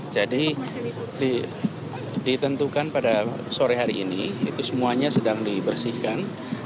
jadi ditentukan pada sore hari ini itu semuanya sedang dibersihkan